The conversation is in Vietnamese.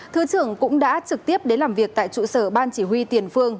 thứ trưởng cũng đã trực tiếp đến làm việc tại trụ sở ban chỉ huy tiền phương